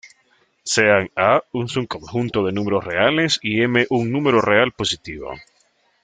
Sean A un subconjunto de números reales y M un número real positivo.